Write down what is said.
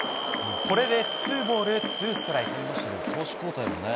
これでツーボールツーストライク。